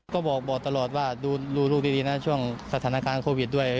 ก็บอกตลอดว่าดูลูกดีนะช่วงสถานการณ์โควิดด้วย